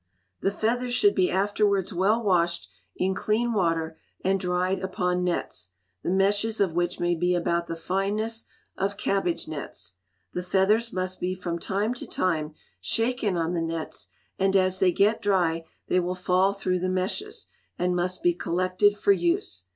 The feathers should be afterwards well washed in clean water, and dried upon nets, the meshes of which may be about the fineness of cabbage nets. The feathers must be from time to time shaken on the nets, and, as they get dry, they will fall through the meshes, and must be collected for use.